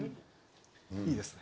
いいですね。